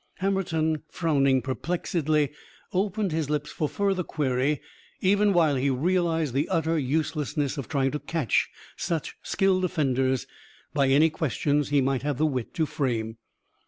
Hammerton, frowning perplexedly, opened his lips for further query, even while he realised the utter uselessness of trying to catch such skilled offenders by any questions he might have the wit to frame.